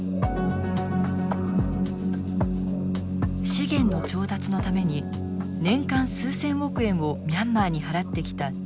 資源の調達のために年間数千億円をミャンマーに払ってきた中国。